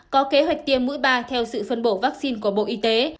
có kế hoạch tiêm mũi ba theo sự phân bổ vaccine của bộ y tế